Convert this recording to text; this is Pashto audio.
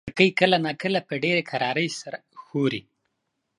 کړکۍ کله ناکله په ډېرې کرارۍ سره ښوري.